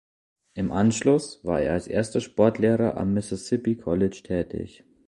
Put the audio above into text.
Im Anschluss war er als Sportlehrer am Mississippi College tätig.